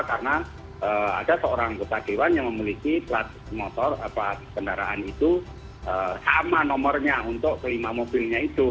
karena ada seorang bupatiwan yang memiliki plat kendaraan itu sama nomornya untuk kelima mobilnya itu